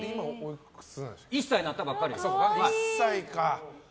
１歳になったばっかり。